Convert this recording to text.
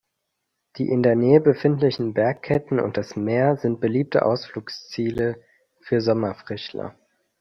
Die in der Nähe befindlichen Bergketten und das Meer sind beliebte Ausflugsziele für Sommerfrischler.